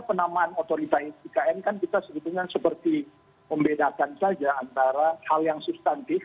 penamaan otorita ikn kan kita sebetulnya seperti membedakan saja antara hal yang substantif